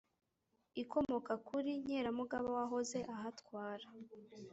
ikomoka kuri Nkeramugaba wahoze ahatwara